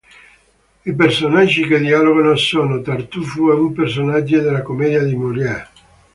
I personaggi che dialogo sono: Tartufo e un personaggio della commedia di Molière.